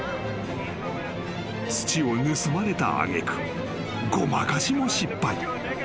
［土を盗まれた揚げ句ごまかしも失敗］